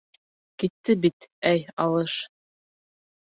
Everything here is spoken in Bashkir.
Китте, бит. әй, алыш.